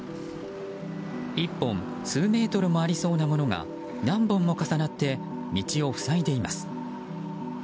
１本数メートルもありそうなものが何本も重なって道を塞いでいます。